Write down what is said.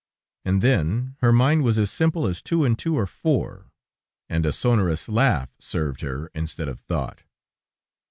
And then, her mind was as simple as two and two are four, and a sonorous laugh served her instead of thought.